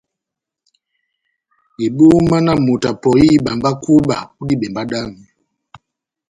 Ebóma na moto apɔhi ihíba mba kúba ó dibembá dami !